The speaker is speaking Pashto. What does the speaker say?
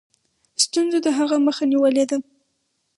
ستونزو د هغه مخه نیولې ده.